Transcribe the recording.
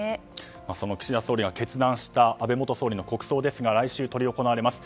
岸田総理が決断した安倍元総理の国葬ですが来週執り行われます。